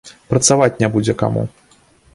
Працаваць не будзе каму.